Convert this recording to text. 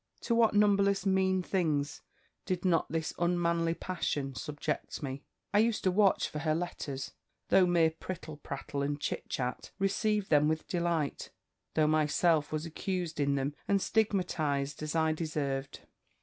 "To what numberless mean things did not this unmanly passion subject me! I used to watch for her letters, though mere prittle prattle and chit chat, received them with delight, though myself was accused in them, and stigmatized as I deserved.